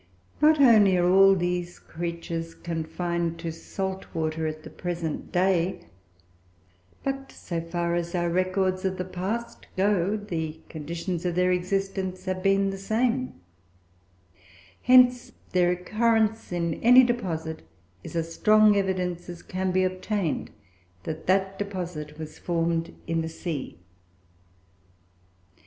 Not only are all these creatures confined to salt water at the present day; but, so far as our records of the past go, the conditions of their existence have been the same: hence, their occurrence in any deposit is as strong evidence as can be obtained, that that deposit was formed in the sea.